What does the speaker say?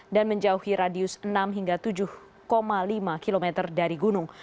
dan menjauhi radius enam hingga tujuh lima km dari gunung